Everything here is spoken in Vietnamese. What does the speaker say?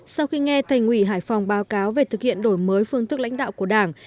sau khi nghe thành ủy hải phòng báo cáo về thực hiện đổi mới phương thức lãnh đạo của đảng